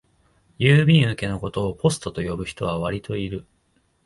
郵便受けのことをポストと呼ぶ人はわりといる